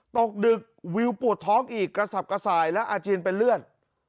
ตกดึกวิวปวดท้องอีกกระสับกระส่ายและอาเจียนเป็นเลือด